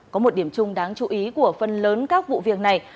có một điểm chung đáng chú ý của phần lớn các vụ việc này